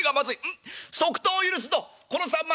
「んっ即答を許すぞこのさんま